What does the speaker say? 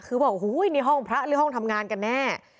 คือบอกโอ้โหนี่ห้องพระหรือห้องทำงานกันแน่